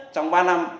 trong ba năm